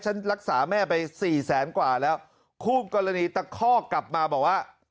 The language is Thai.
ฉันรักษาแม่ไปสี่แสนกว่าแล้วคู่กรณีตะคอกกลับมาบอกว่า